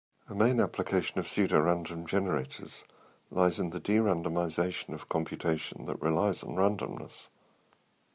A main application of pseudorandom generators lies in the de-randomization of computation that relies on randomness.